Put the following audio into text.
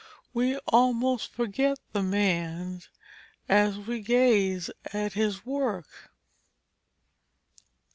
We almost forget the man as we gaze at his work.